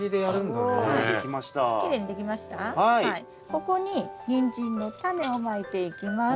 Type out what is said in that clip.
ここにニンジンのタネをまいていきます。